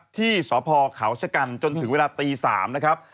ที่สพเขาชะกันจนถึงเวลาตี๓นะครับ